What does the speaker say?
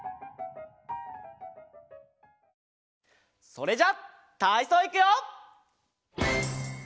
それじゃたいそういくよ！